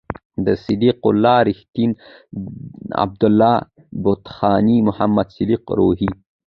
صد یق الله رېښتین، عبد الله بختاني، محمد صدیق روهي